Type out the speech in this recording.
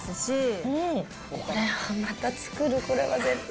これはまた作る、これは絶対。